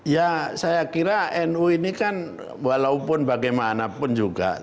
ya saya kira nu ini kan walaupun bagaimanapun juga